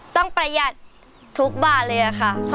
ต้องประหยัดทุกบาทเลยละค่ะ